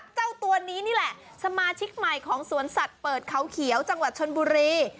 เจ้าตัวนี้นี่แหละสมาชิกใหม่ของสวนสัตว์เปิดเขาเขียวจังหวัดชนบุรี